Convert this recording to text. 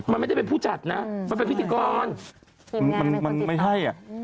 มันไม่ถึงแบบผู้จัดนะเป็นพิธีกรมันไม่ใช่